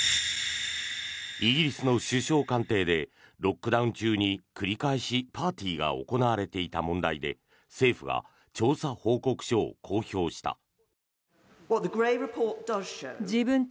イギリスの首相官邸でロックダウン中に繰り返しパーティーが行われていた問題で政府が調査報告書を公表した。